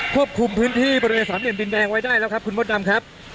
ควบคุมพื้นที่บริเวณสามเหลี่ยมดินแดงไว้ได้แล้วครับคุณมดดำครับ